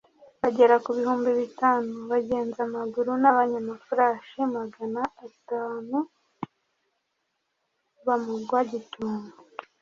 bagera ku bihumbi bitanu bagenza amaguru n'abanyamafarasi magana atanu, bamugwa gitumo